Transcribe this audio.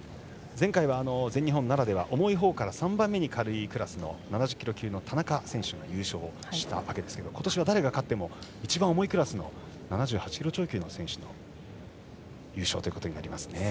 前回は全日本ならでは重いほうから３番目に軽いクラス７０キロ級の田中選手が優勝しましたが今年は誰が勝っても一番重いクラスの７８キロ超級の選手の優勝ということになりますね。